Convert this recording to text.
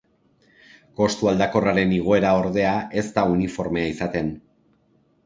Kostu aldakorren igoera ordea ez da uniformea izaten.